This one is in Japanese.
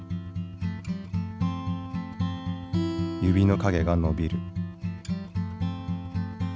指の影が伸びる。